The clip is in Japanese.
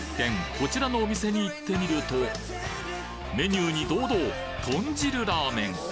こちらのお店に行ってみるとメニューに堂々とん汁ラーメン